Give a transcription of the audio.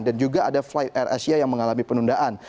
dan juga ada flight air asia yang mengalahkan